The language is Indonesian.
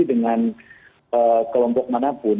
dengan kelompok manapun